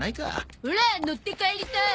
オラ乗って帰りたい。